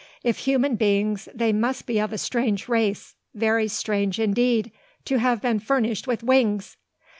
If human beings, they must be of a strange race, very strange indeed, to have been furnished with wings!